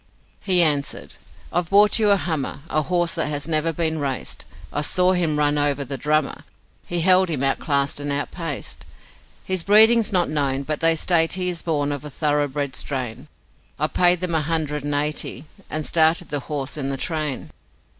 He answered: 'I've bought you a hummer, A horse that has never been raced; I saw him run over the Drummer, He held him outclassed and outpaced. His breeding's not known, but they state he Is born of a thoroughbred strain, I paid them a hundred and eighty, And started the horse in the train.'